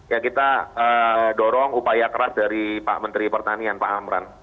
ya kita dorong upaya keras dari pak menteri pertanian pak amran